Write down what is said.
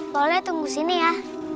boleh tunggu sini ya